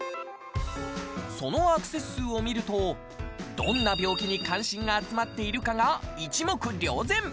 そのアクセス数を見るとどんな病気に関心が集まっているかが一目瞭然。